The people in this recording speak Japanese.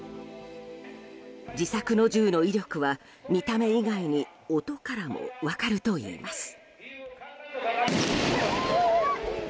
自作の銃の威力は見た目以外に音からも分かるといいます。